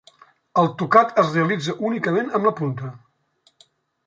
El tocat es realitza únicament amb la punta.